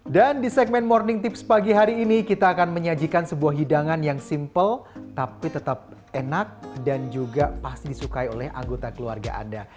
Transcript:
dan di segmen morning tips pagi hari ini kita akan menyajikan sebuah hidangan yang simple tapi tetap enak dan juga pasti disukai oleh anggota keluarga anda